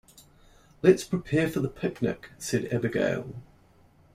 "Let's prepare for the picnic!", said Abigail.